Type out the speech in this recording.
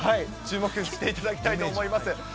注目していただきたいと思います。